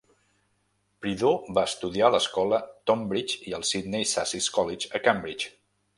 Prideaux va estudiar a l'escola Tonbridge i al Sidney Sussex College, a Cambridge.